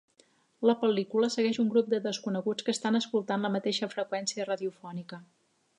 La pel·lícula segueix un grup de desconeguts que estan escoltant la mateixa freqüència radiofònica.